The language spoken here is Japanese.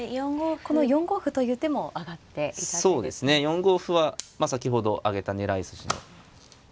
４五歩は先ほど挙げた狙い筋の一手でしたね。